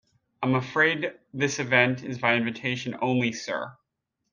I'm afraid this event is by invitation only, sir.